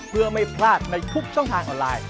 เพื่อไม่พลาดในทุกช่องทางออนไลน์